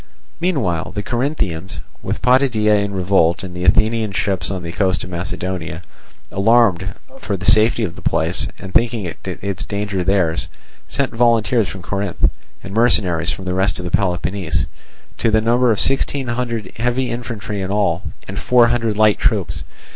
Meanwhile the Corinthians, with Potidæa in revolt and the Athenian ships on the coast of Macedonia, alarmed for the safety of the place and thinking its danger theirs, sent volunteers from Corinth, and mercenaries from the rest of Peloponnese, to the number of sixteen hundred heavy infantry in all, and four hundred light troops.